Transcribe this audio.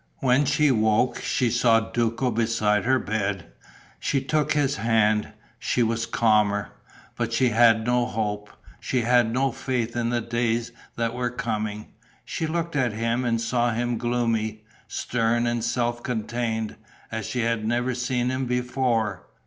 When she woke, she saw Duco beside her bed. She took his hand; she was calmer. But she had no hope. She had no faith in the days that were coming. She looked at him and saw him gloomy, stern and self contained, as she had never seen him before.